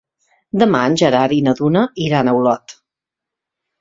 Demà en Gerard i na Duna iran a Olot.